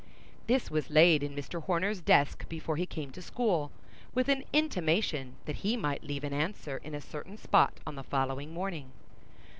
This was laid in Mr. Horner's desk before he came to school, with an intimation that he might leave an answer in a certain spot on the following morning.